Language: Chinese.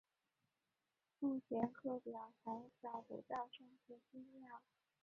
目前课表还找不到上课资料